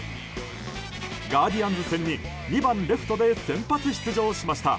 ガーディアンズ戦に２番レフトで先発出場しました。